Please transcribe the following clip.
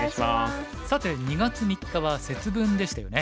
さて２月３日は節分でしたよね。